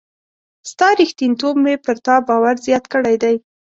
ستا ریښتینتوب مي پر تا باور زیات کړی دی.